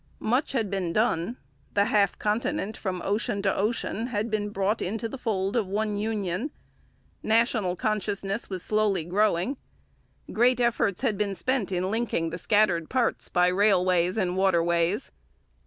Much had been done: the half continent from ocean to ocean had been brought into the fold of one union; national consciousness was slowly growing; great efforts had been spent in linking the scattered parts by railways and waterways.